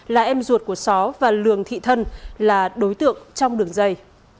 là em ruột của só và lường thị thân là đối tượng trong đường dây